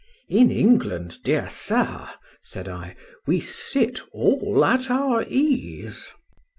—In England, dear Sir, said I, we sit all at our ease.